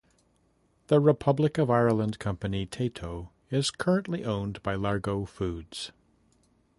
The Republic of Ireland company Tayto is currently owned by Largo Foods.